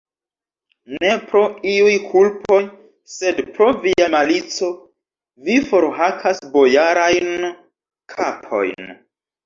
Ne pro iuj kulpoj, sed pro via malico vi forhakas bojarajn kapojn!